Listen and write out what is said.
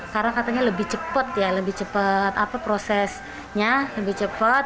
karena katanya lebih cepat ya lebih cepat prosesnya lebih cepat